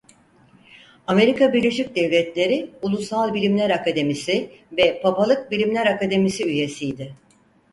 Amerika Birleşik Devletleri Ulusal Bilimler Akademisi ve Papalık Bilimler Akademisi üyesiydi.